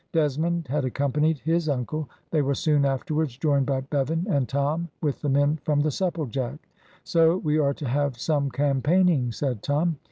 Desmond had accompanied his uncle; they were soon afterwards joined by Bevan and Tom with the men from the Supplejack. "So we are to have some campaigning," said Tom.